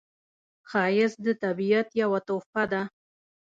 ښایست د طبیعت یوه تحفه ده